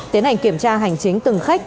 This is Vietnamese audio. tiến hành kiểm tra hành chính từng khách